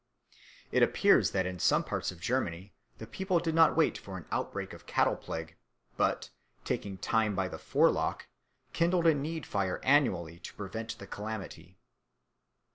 It appears that in some parts of Germany the people did not wait for an outbreak of cattleplague, but, taking time by the forelock, kindled a need fire annually to prevent the calamity.